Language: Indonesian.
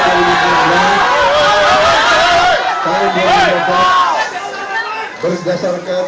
jadi saya ingin mengucapkan